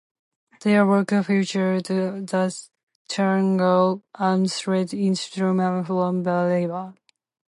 Their work features the charango, a stringed instrument from Bolivia.